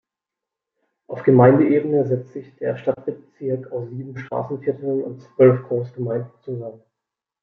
Auf Gemeindeebene setzt sich der Stadtbezirk aus sieben Straßenvierteln und zwölf Großgemeinden zusammen.